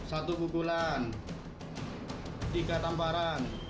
satu pukulan tiga tamparan